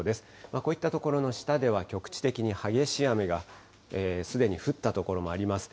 こういった所の下では、局地的に激しい雨がすでに降った所もあります。